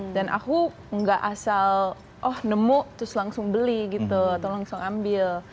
dan aku gak asal oh nemu terus langsung beli gitu atau langsung ambil